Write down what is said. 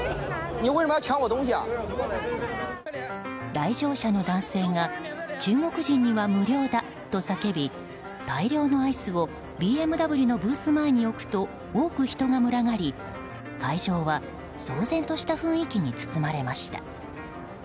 来場者の男性が中国人には無料だと叫び大量のアイスをＢＭＷのブース前に置くと多く人が群がり、会場は騒然とした雰囲気に包まれました。